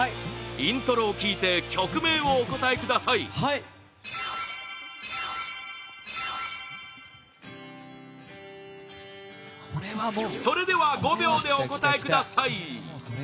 イントロを聴いて曲名をお答えくださいそれでは５秒でお答えください